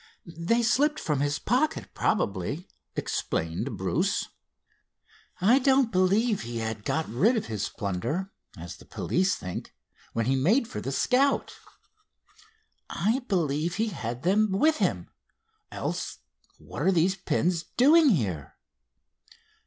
"They slipped from his pocket probably," explained Bruce. "I don't believe he had got rid of his plunder, as the police think, when he made for the Scout. I believe he had them with him, else what are these pins doing here?